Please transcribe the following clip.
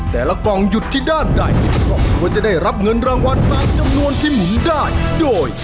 กล่องหยุดที่ด้านใดครอบครัวจะได้รับเงินรางวัลตามจำนวนที่หมุนได้โดย